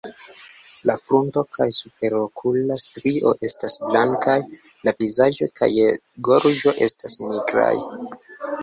La frunto kaj superokula strio estas blankaj; la vizaĝo kaj gorĝo estas nigraj.